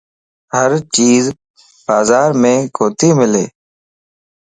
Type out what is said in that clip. ھر چيز بازار مَ ڪوتي ملَ